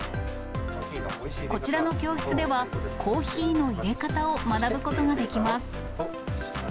こちらの教室では、コーヒーのいれ方を学ぶことができます。